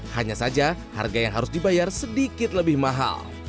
hanya saja harga yang harus dibayar sedikit lebih mahal